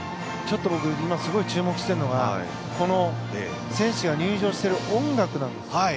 僕今すごい注目しているのがこの選手が入場している音楽なんです。